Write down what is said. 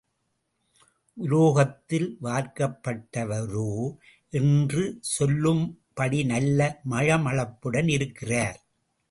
உலோகத்தில் வார்க்கப்பட்டவரோ என்று சொல்லும்படி நல்ல மழமழப்புடன் இருக்கிறார்.